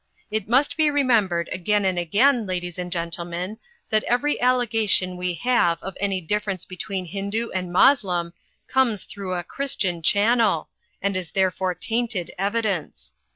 It must be remembered again and again, ladies and gentlemen, that every allegation we have of any difference between Hindoo and Moslem comes through a Christian channel, and is therefore tainted evidence.